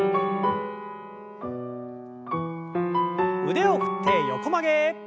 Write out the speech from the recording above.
腕を振って横曲げ。